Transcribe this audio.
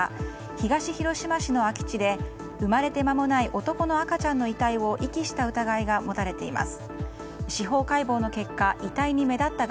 東広島市の空き地で生まれて間もない男の赤ちゃんの遺体を遺棄した疑いが持たれています。